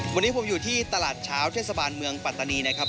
วันนี้ผมอยู่ที่ตลาดเช้าเทศบาลเมืองปัตตานีนะครับ